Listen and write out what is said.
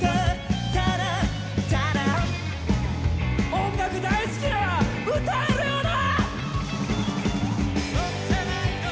音楽大好きなら歌えるよな！